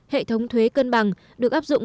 hệ thống thuế cân bằng được áp dụng